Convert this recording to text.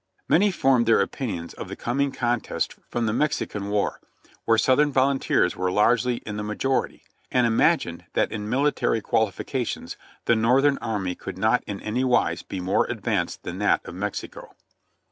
Many formed their opinions of the coming contest from the Mexican war, where Southern volunteers were largely in the ma jority, and imagined that in military quaHfications the Northern army could not in anywise be more advanced than that of Mexico.